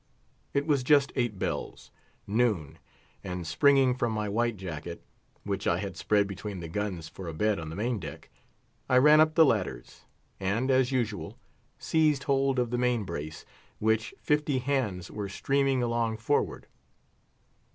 It was just eight bells—noon, and springing from my white jacket, which I had spread between the guns for a bed on the main deck, I ran up the ladders, and, as usual, seized hold of the main brace, which fifty hands were streaming along forward.